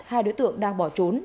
hai đối tượng đang bỏ trốn